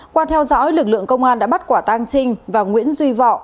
qua theo dõi lực lượng công an đã bắt quả tăng trinh và nguyễn duy vọ